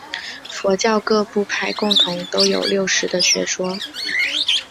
佛教各部派共同都有六识的学说。